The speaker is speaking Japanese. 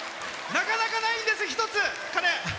なかなかないんです、１つ鐘！